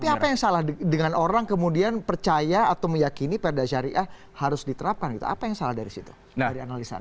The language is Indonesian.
tapi apa yang salah dengan orang kemudian percaya atau meyakini perda syariah harus diterapkan gitu apa yang salah dari situ dari analisa anda